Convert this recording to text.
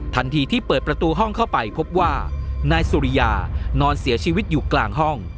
ที่เปิดประตูห้องเข้าไปพบว่านายสุริยานอนเสียชีวิตอยู่กลางห้อง